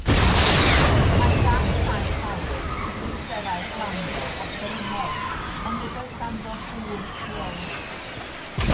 Mae gan y maes awyr cyfleusterau glanio offerynnol, ond nid oes ganddo dŵr rheoli.